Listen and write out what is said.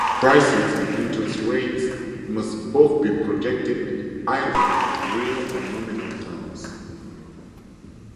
Prices and interest rates must both be projected in either real or nominal terms.